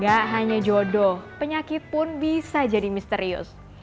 gak hanya jodoh penyakit pun bisa jadi misterius